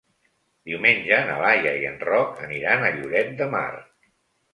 Diumenge na Laia i en Roc aniran a Lloret de Mar.